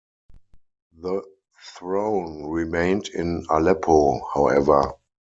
The throne remained in Aleppo, however.